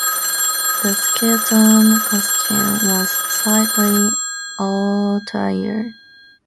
The skeleton costume was slightly altered.